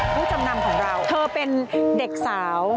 ผู้จำนำของเราเธอเป็นเด็กสาว